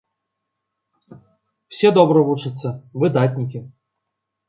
Усе добра вучацца, выдатнікі.